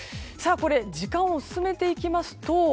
時間を進めていきますと